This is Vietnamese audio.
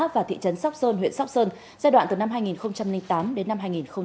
và thị trấn sắp sơn huyện sắp sơn giai đoạn từ năm hai nghìn tám đến năm hai nghìn một mươi tám